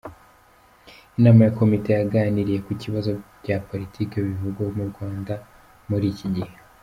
Inama ya Komite yaganiriye ku bibazo bya politiki bivugwa mu Rwanda muri iki gihe.